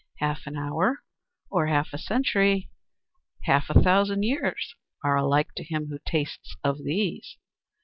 "Half an hour, or half a century ay, half a thousand years are alike to him who tastes of these.